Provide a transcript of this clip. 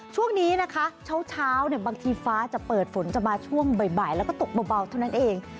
ช่วงนี้นะคะเช้าบางทีฟ้าจะเปิดฝนจะมาช่วงบ่ายแล้วก็ตกเบาเท่านั้นเอง